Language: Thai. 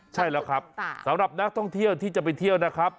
ใช่แล้วครับสำหรับนักท่องเที่ยวที่จะไปเที่ยวนะครับ